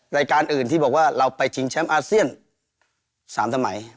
รายการอื่นที่บอกว่าเราไปชิงแชมป์อาเซียน๓สมัย